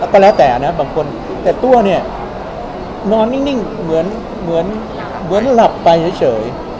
ก็แล้วแต่นะบางคนแต่ตัวเนี่ยนอนนิ่งเหมือนหลับไปเฉย